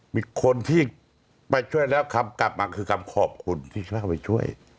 มีคนที่ไปช่วยแล้วคำกลับมาคือคำขอบคุณที่เข้าไปช่วย